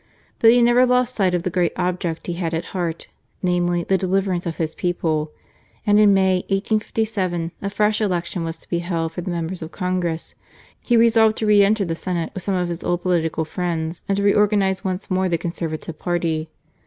But he never lost sight of the great object he had at heart, namely, the deliverance of his people. And as in May, 1857, ^ fresh election was to be held for the Members of Congress, he resolved to re enter the Senate with some of his old political friends, and to re organize once more the Conserva tive Party.